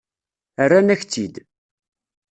Rran-ak-tt-id.